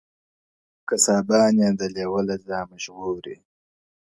• قصابان یې د لېوه له زامو ژغوري -